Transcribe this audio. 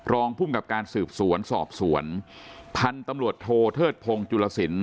รองภูมิกับการสืบสวนสอบสวนพันธุ์ตำรวจโทเทิดพงศ์จุลสิน